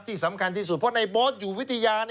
ที่สำคัญที่สุดเพราะในบอสอยู่วิทยา